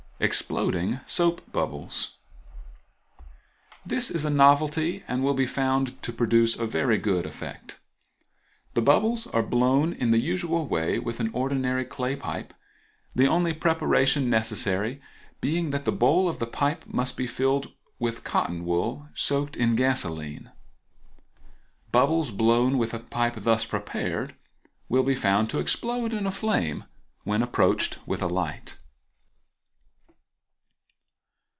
Exploding Soap bubbles.—This is a novelty, and will be found to produce a very good effect. The bubbles are blown in the usual way with an ordinary clay pipe, the only preparation necessary being that the bowl of the pipe must be filled with cotton wool soaked in gasoline. Bubbles blown with a pipe thus prepared will be found to explode in a flame when approached with a light.